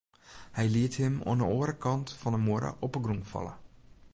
Hy liet him oan 'e oare kant fan de muorre op 'e grûn falle.